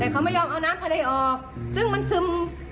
แต่เขาไม่ยอมเอาน้ำทะเลออกซึ่งมันซึม